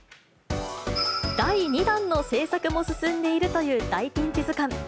第２弾の制作も進んでいるという大ピンチずかん。